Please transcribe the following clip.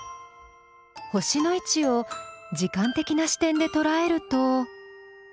星の位置を時間的な視点でとらえると。